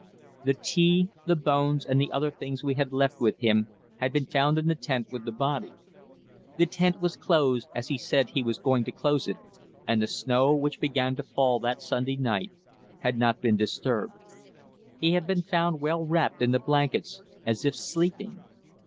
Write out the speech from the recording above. The tea, the bones and the other things we had left with him had been found in the tent with the body. The tent was closed as he said he was going to close it, and the snow, which began to fall that Sunday night, had not been disturbed. He had been found well wrapped in the blankets, as if sleeping.